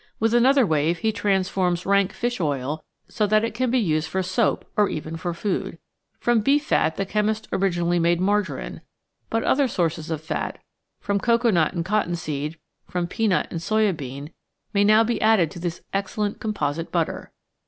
With an other wave he transforms rank fish oil so that it can be used for soap or even for food. From beef fat the chemist originally made margarine, but other sources of fat from coco nut and cotton seed, from pea nut and soya bean may now be added to this excellent "composite butter."